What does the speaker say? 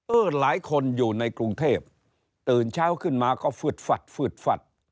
หลายคนอยู่ในกรุงเทพตื่นเช้าขึ้นมาก็ฟืดฟัดฟืดฟัด